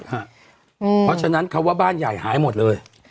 เพราะฉะนั้นคำว่าบ้านใหญ่หายหมดเลย